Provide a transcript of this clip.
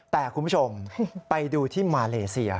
แต่คุณผู้ชมไปดูที่มาเลเซีย